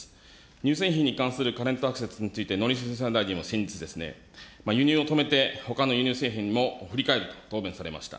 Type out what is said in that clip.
乳製品に関するカレント・アクセスについて、農林水産大臣は先日ですね、輸入を止めてほかの輸入製品も、振り返ると答弁されました。